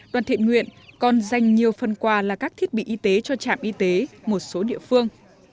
đoàn thiện nguyện còn dành nhiều phần quà là các thiết bị y tế cho trạm y tế một số địa phương